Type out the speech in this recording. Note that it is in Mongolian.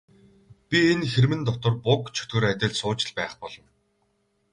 Би энэ хэрмэн дотор буг чөтгөр адил сууж л байх болно.